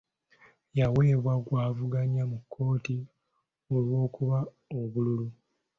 Yawaabye gw'avuganya mu kkooti olw'okubba obululu.